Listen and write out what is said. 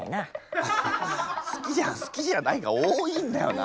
好きじゃ好きじゃないが多いんだよな